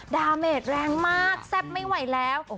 ดาเมดแรงมากแซ่บไม่ไหวแล้ว